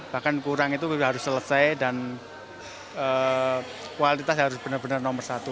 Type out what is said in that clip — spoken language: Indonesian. bahkan kurang itu harus selesai dan kualitas harus benar benar nomor satu